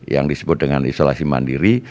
yang disebut dengan isolasi mandiri